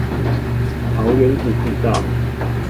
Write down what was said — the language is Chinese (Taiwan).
桃源谷步道